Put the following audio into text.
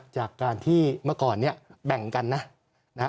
จากการที่เมื่อก่อนเนี่ยแบ่งกันนะ